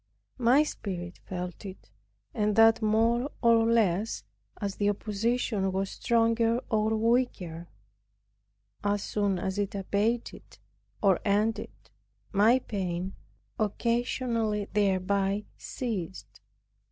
My spirit felt it, and that more or less, as the opposition was stronger or weaker; as soon as it abated or ended, my pain, occasioned thereby, ceased.